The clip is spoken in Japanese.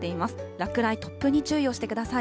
落雷、突風に注意をしてください。